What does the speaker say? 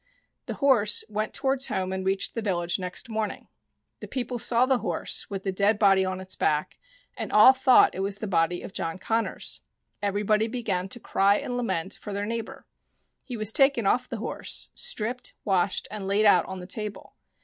The horse went towards home and reached the village next morning. The people saw the horse with the dead body on its back, and all thought it was the body of John Connors. Everybody began to cry and lament for their neighbour. He was taken off the horse, stripped, washed, and laid out on the table.